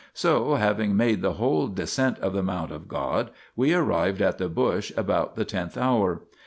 So having made the whole descent of the mount of God we arrived at the bush about the tenth hour.